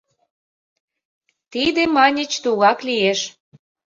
Тиде, маньыч, тугак лиеш.